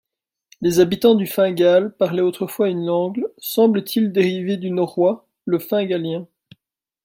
Les habitants du Fingal parlaient autrefois une langue, semble-t-il dérivée du norrois, le fingalien.